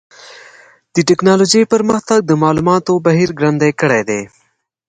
د ټکنالوجۍ پرمختګ د معلوماتو بهیر ګړندی کړی دی.